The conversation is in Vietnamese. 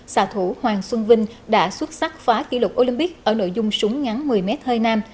xã thủ hoàng xuân vinh đã xuất sắc phá kỷ lục olympic ở nội dung súng ngắn một mươi m hơi nam